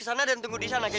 jangan jangan aku udah mati ya